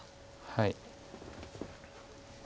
はい。